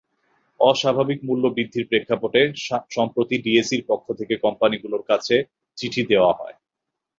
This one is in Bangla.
অস্বাভাবিক মূল্যবৃদ্ধির প্রেক্ষাপটে সম্প্রতি ডিএসইর পক্ষ থেকে কোম্পানিগুলোর কাছে চিঠি দেওয়া হয়।